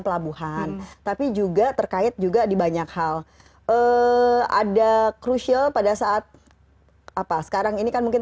pelabuhan tapi juga terkait juga di banyak hal ada crucial pada saat apa sekarang ini kan mungkin